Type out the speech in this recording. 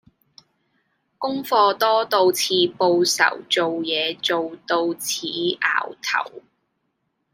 功課多到似報仇做嘢做到似 𢯎 頭